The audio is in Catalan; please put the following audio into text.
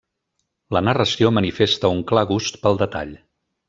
La narració manifesta un clar gust pel detall.